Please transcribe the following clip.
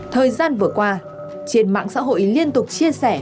thời gian vừa qua trên mạng xã hội liên tục chia sẻ